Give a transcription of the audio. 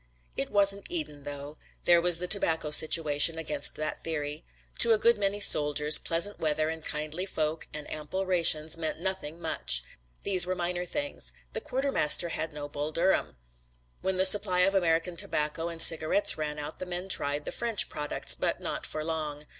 It wasn't Eden though. There was the tobacco situation against that theory. To a good many soldiers, pleasant weather and kindly folk and ample rations meant nothing much. These were minor things. The quartermaster had no Bull Durham. When the supply of American tobacco and cigarettes ran out the men tried the French products but not for long.